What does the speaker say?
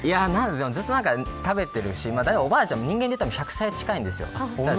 ずっと何か食べてるしおばあちゃんで、人間でいうと１００歳近いんですよ。